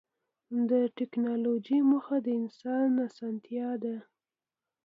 د ټکنالوجۍ موخه د انسان اسانتیا ده.